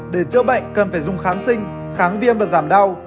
để chữa bệnh cần phải dùng kháng sinh kháng viêm và giảm đau